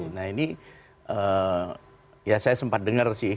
nah ini ya saya sempat dengar sih